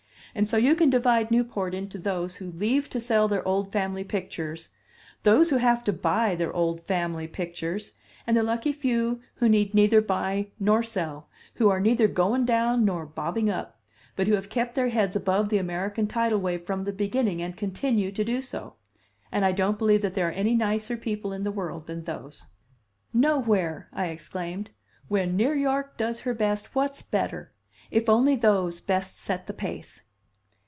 And so you can divide Newport into those who leave to sell their old family pictures, those who have to buy their old family pictures, and the lucky few who need neither buy nor sell, who are neither goin' down nor bobbing up, but who have kept their heads above the American tidal wave from the beginning and continue to do so. And I don't believe that there are any nicer people in the world than those." "Nowhere!" I exclaimed. "When Near York does her best, what's better? If only those best set the pace!"